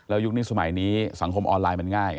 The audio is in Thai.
ยุคนี้สมัยนี้สังคมออนไลน์มันง่าย